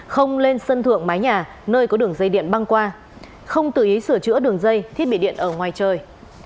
không lên sân thượng mái nhà nơi có đường dây điện băng qua không tự ý sửa chữa đường dây thiết bị điện ở ngoài trời